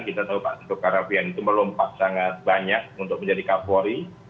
kita tahu pak tito karnavian itu melompat sangat banyak untuk menjadi kapolri